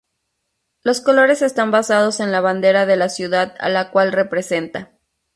Los colores están basados en la bandera de la ciudad a la cual representa.